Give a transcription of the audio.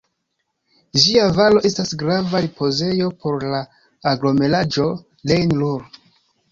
Ĝia valo estas grava ripozejo por la aglomeraĵo Rejn-Ruhr.